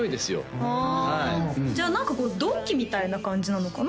ああじゃあ何かこう同期みたいな感じなのかな？